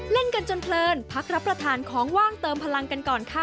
เล่นกันจนเพลินพักรับประทานของว่างเติมพลังกันก่อนค่ะ